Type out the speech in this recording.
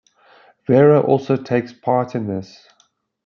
Vera also takes part in this.